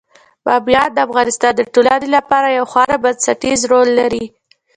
بامیان د افغانستان د ټولنې لپاره یو خورا بنسټيز رول لري.